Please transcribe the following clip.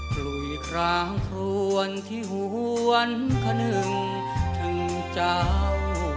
ปลุ้ยกลางทวนที่หวนขนึงถึงเจ้า